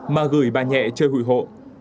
mà gửi bà nhẹ chơi hụi hộ